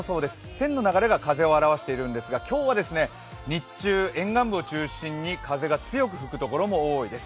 線の流れが風を表しているんですが、今日は日中沿岸部を中心に風が強く吹くところが多いです。